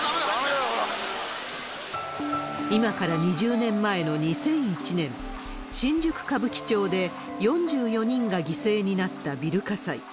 今から２０年前の２００１年、新宿・歌舞伎町で４４人が犠牲になったビル火災。